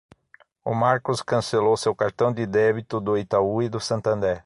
O Marcos cancelou seu cartão de débito do Itaú e do Santander.